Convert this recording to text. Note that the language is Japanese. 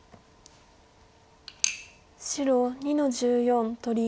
白２の十四取り。